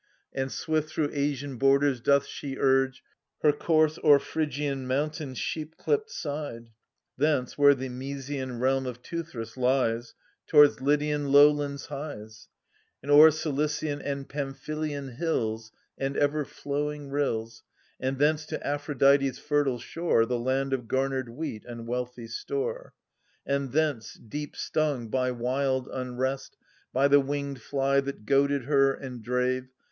And swift through Asian borders doth she urge Her course, o'er Phrygian mountains' sheep clipt side ; Thence, where the Mysian realm of Teuthras lies, Towards Lydian lowlands hies, And o'er Cilician and Pamphylian hills And ever flowing rills. And thence to Aphrodite's ferfile shore,* The land of garnered wheat and wealthy store. And thence, de^p stung by wild unrest, By the winged fly (that goaded her and drave.